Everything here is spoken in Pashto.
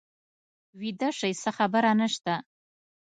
ویده شئ څه خبره نه شته.